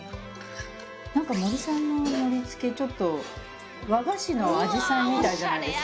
森さんの盛り付けちょっと和菓子のアジサイみたいじゃないですか？